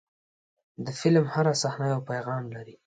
د فلم هره صحنه یو پیغام لري.